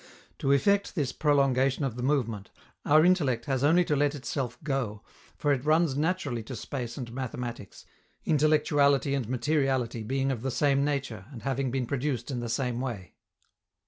To effect this prolongation of the movement, our intellect has only to let itself go, for it runs naturally to space and mathematics, intellectuality and materiality being of the same nature and having been produced in the same way.